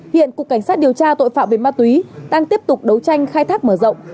hiện cục cảnh sát điều tra tội phạm về ma túy đang tiếp tục đấu tranh khai thác mở rộng